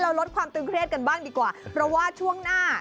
ลดความตึงเครียดกันบ้างดีกว่าเพราะว่าช่วงหน้า